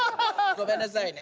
ごめんなさいね。